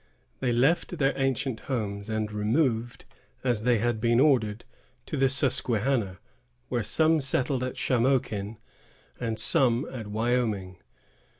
They left their ancient homes, and removed, as they had been ordered, to the Susquehanna, where some settled at Shamokin, and some at Wyoming.